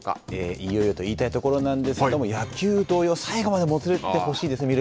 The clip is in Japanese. いよいよと言いたいところなんですけれども野球同様、最後までもつれてほしいですね